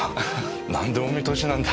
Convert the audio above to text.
なんでもお見通しなんだ。